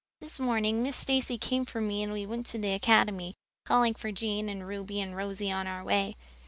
"This morning Miss Stacy came for me and we went to the Academy, calling for Jane and Ruby and Josie on our way.